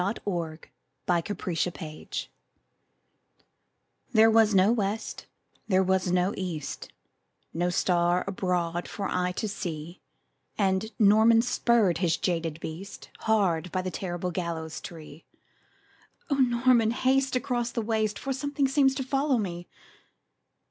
Y Z The Demon of the Gibbet THERE was no west, there was no east, No star abroad for eye to see; And Norman spurred his jaded beast Hard by the terrible gallows tree. "O Norman, haste across this waste For something seems to follow me!"